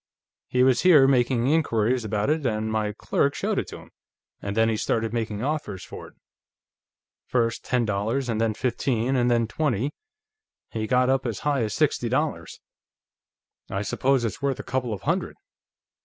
"He was here, making inquiries about it, and my clerk showed it to him, and then he started making offers for it first ten dollars, and then fifteen, and then twenty; he got up as high as sixty dollars. I suppose it's worth a couple of hundred."